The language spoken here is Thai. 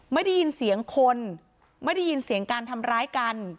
ไม่ได้ยินเสียงคนไม่ได้ยินเสียงการทำร้ายกัน